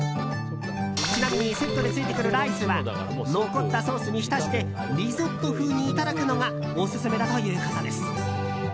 ちなみにセットでついてくるライスは残ったソースに浸してリゾット風にいただくのがオススメだということです。